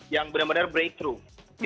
yang benar benar breakthrough